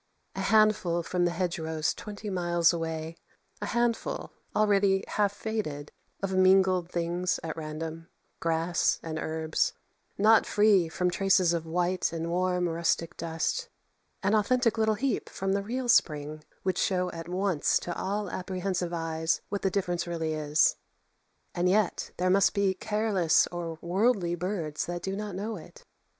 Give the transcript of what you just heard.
A handful from the hedgerows twenty miles away a handful, already half faded, of mingled things at random, grass and herbs, not free from traces of white and warm rustic dust an authentic little heap from the real spring, would show at once to all apprehensive eyes what the difference really is. And yet there must be careless or worldly birds that do not know it.